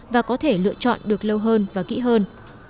và có thể lựa chọn được lâu hơn và kỹ hơn